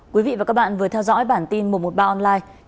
quý vị và các bạn vừa theo dõi bản tin một trăm một mươi ba online